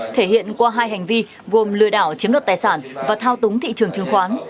thể hiện qua hai hành vi gồm lừa đảo chiếm đoạt tài sản và thao túng thị trường chứng khoán